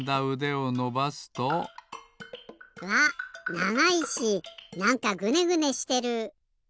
ながいしなんかグネグネしてる。